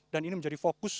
dan ini menjadi fokus